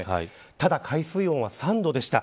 ただ海水温は３度でした。